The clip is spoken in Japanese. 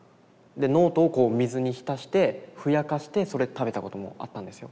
ノートを水に浸してふやかしてそれ食べたこともあったんですよ。